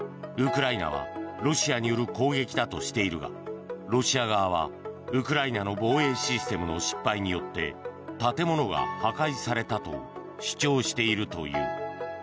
ウクライナはロシアによる攻撃だとしているがロシア側はウクライナの防衛システムの失敗によって建物が破壊されたと主張しているという。